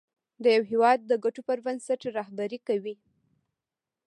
د یو هېواد د ګټو پر بنسټ رهبري کوي.